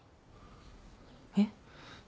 えっ？